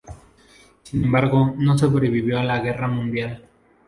Sin embargo, no sobrevivió a la guerra mundial.